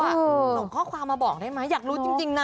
ส่งข้อความมาบอกได้ไหมอยากรู้จริงนะ